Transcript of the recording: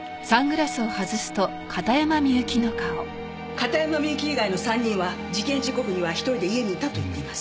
片山みゆき以外の３人は事件時刻には１人で家にいたと言っています。